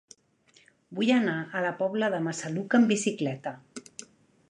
Vull anar a la Pobla de Massaluca amb bicicleta.